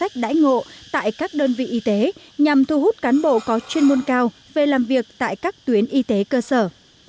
đây sẽ là điều kiện thuận lợi để các đơn vị y tế hoạt động phát triển khoa học kỹ thuật làm tốt hơn nữa nhiệm vụ chăm sóc sức khỏe của nhân dân